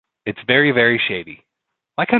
It's very, very shady.